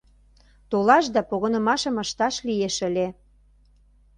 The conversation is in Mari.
Толаш да погынымашым ышташ лиеш ыле.